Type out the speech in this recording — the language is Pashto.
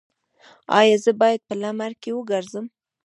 ایا زه باید په لمر کې وګرځم؟